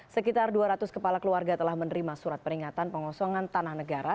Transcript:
sekitar dua ratus kepala keluarga telah menerima surat peringatan pengosongan tanah negara